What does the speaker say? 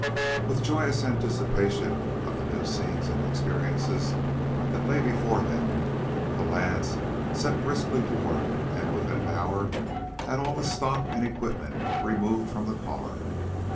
With joyous anticipation of the new scenes and experiences that lay before them, the lads set briskly to work, and within an hour had all the stock and equipment removed from the car.